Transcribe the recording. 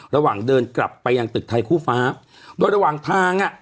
ระหว่างเดินกลับไปยังตึกไทยคู่ฟ้าโดยระหว่างทางอ่ะ